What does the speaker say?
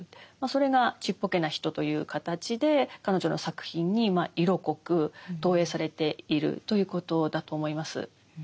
それが「ちっぽけな人」という形で彼女の作品に色濃く投影されているということだと思います。